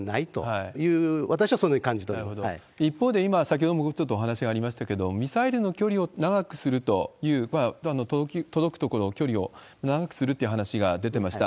一方で、先ほどもちょっとお話がありましたけれども、ミサイルの距離を長くするという、届くところ、距離を長くするっていう話が出てました。